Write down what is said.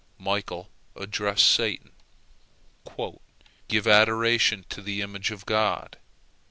Michael addressed Satan: "Give adoration to the image of God!